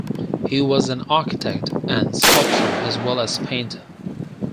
He was an architect and sculptor as well as painter.